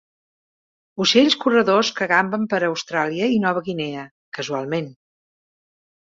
Ocells corredors que gamben per Austràlia i Nova Guinea, casualment.